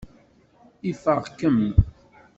Ifeɣ-kem.